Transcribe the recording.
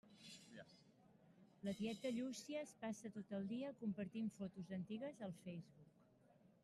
La tieta Llúcia es passa tot el dia compartint fotos antigues al Facebook.